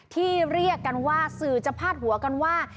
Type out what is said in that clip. เรียกกันว่าสื่อจะพาดหัวกันว่า